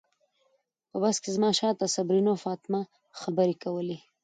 په بس کې زما شاته صبرینا او فاطمه خبرې کولې.